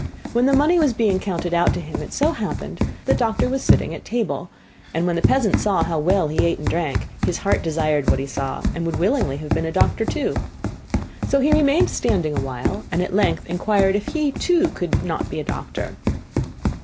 When the money was being counted out to him, it so happened that the doctor was sitting at table, and when the peasant saw how well he ate and drank, his heart desired what he saw, and would willingly have been a doctor too. So he remained standing a while, and at length inquired if he too could not be a doctor.